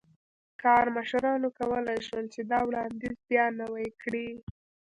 کارمشرانو کولای شول چې دا وړاندیز بیا نوی کړي.